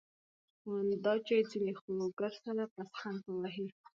آن دا چي ځيني خو ګرسره پسخند په وهي.